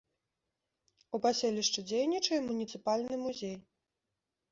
У паселішчы дзейнічае муніцыпальны музей.